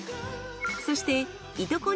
そして糸